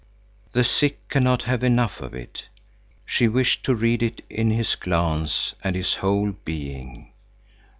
The sick cannot have enough of it. She wished to read it in his glance and his whole being.